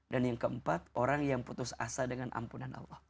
dan yang keempat orang yang putus asa dengan ampunan allah